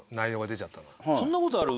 そんなことある？